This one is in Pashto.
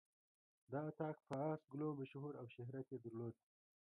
دا اطاق په آس ګلو مشهور او شهرت یې درلود.